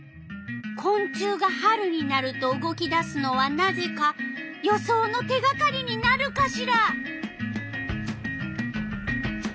こん虫が春になると動き出すのはなぜか予想の手がかりになるかしら？